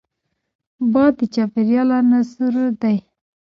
باد د چاپېریال له عناصرو دی